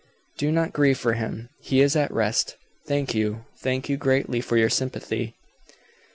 "Do not grieve for him. He is at rest. Thank you thank you greatly for your sympathy."